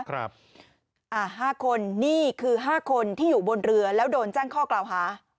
ครับอ่าห้าคนนี่คือห้าคนที่อยู่บนเรือแล้วโดนแจ้งข้อเกลาหา